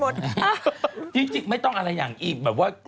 จริงไม่ต้องอะไรอย่างอีแบบว่า